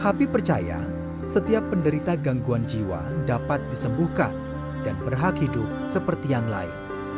habib percaya setiap penderita gangguan jiwa dapat disembuhkan dan berhak hidup seperti yang lain